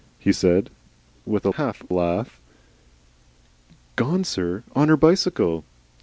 he said with a half laugh. "Gone, sir. On her bicycle."